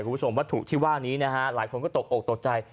คุณผู้ชมวัตถุที่ว่านี้นะฮะหลายคนก็ตกอกตกใจ